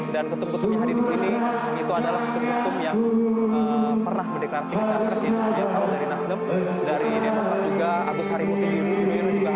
dan ketum ketum yang hadir di sini itu adalah ketum ketum yang